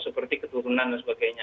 seperti keturunan dan sebagainya